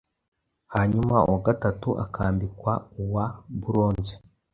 hanyuma uwa gatatu akambikwa uwa buronze.